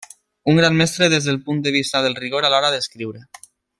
Un gran mestre des del punt de vista del rigor a l'hora d'escriure.